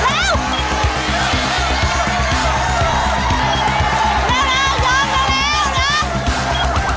แล้ว